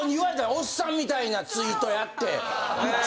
おっさんみたいなツイートやって。